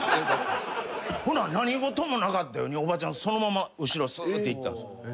ほな何事もなかったようにおばちゃんそのまま後ろすーって行ったんすよ。